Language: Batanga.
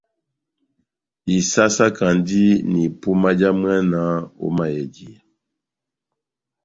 Isásákandi na ipuma já mwana ó mayèjiya.